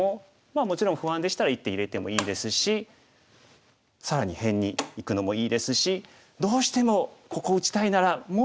まあもちろん不安でしたら一手入れてもいいですし更に辺にいくのもいいですしどうしてもここ打ちたいならもうちょっと広げてみましょうかね。